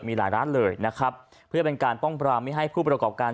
มีหลายร้านเลยนะครับเพื่อเป็นการป้องปรามไม่ให้ผู้ประกอบการ